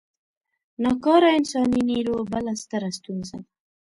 نا کاره انساني نیرو بله ستره ستونزه ده.